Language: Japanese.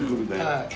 はい。